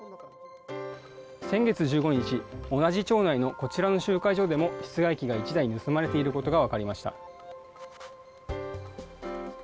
先月１５日同じ町内のこちらの集会所でも室外機が１台盗まれていることが分かりました。